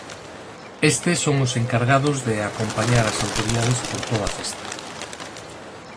Estes son os encargados de acompañar as autoridades por toda a festa.